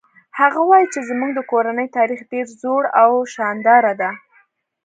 هغه وایي چې زموږ د کورنۍ تاریخ ډېر زوړ او شانداره ده